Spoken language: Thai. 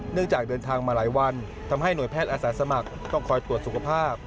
จากเดินทางมาหลายวันทำให้หน่วยแพทย์อาสาสมัครต้องคอยตรวจสุขภาพ